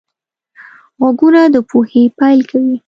غوږونه د پوهې پیل کوي